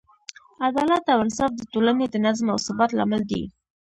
عدالت او انصاف د ټولنې د نظم او ثبات لامل دی.